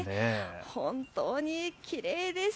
本当にきれいです。